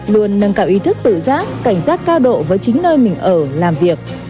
luôn nâng cao ý thức tự giác cảnh giác cao độ với chính nơi mình ở làm việc